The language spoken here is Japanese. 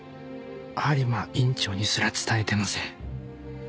播磨院長にすら伝えてません。